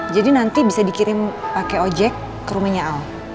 jadi nanti bisa dikirim pakai ojek ke rumahnya ahl